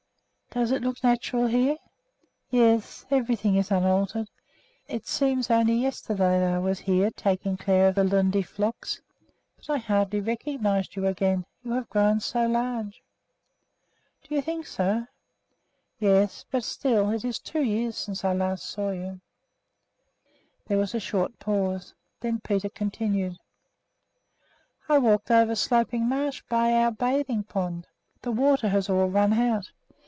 "Does it look natural here?" "Yes, everything is unaltered. It seems only yesterday that I was here taking care of the Lunde flocks. But I hardly recognized you again. You have grown so large." "Do you think so?" "Yes. But still it is two years since I last saw you." There was a short pause. Then Peter continued: "I walked over Sloping Marsh, by our bathing pond. The water has all run out."